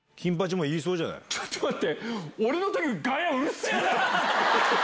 ちょっと待って！